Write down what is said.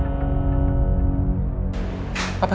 saya mau jujur ke bunawang